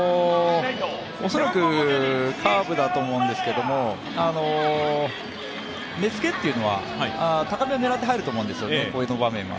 恐らくカーブだと思うんですけども、目つけというのは高め狙ってはいると思うんですよね、この場合は。